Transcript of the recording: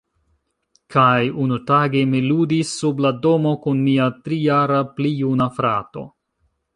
Kaj unutage, mi ludis sub la domo kun mia tri-jara-plijuna frato.